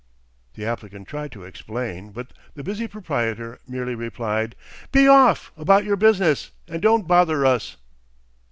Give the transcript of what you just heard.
The applicant tried to explain, but the busy proprietor merely replied: "Be off about your business, and don't bother us."